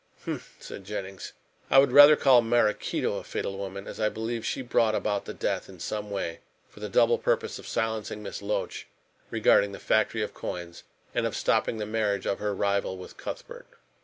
"Humph!" said Jennings, "I would rather call Maraquito a fatal woman, as I believe she brought about the death in some way for the double purpose of silencing Miss Loach regarding the factory of coins and of stopping the marriage of her rival with Cuthbert."